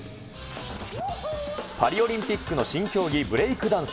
パリオリンピックの新競技、ブレイクダンス。